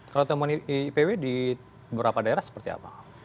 kalau temuan ipw di beberapa daerah seperti apa